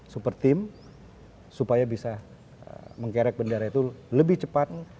super team supaya bisa mengkerek bendera itu lebih cepat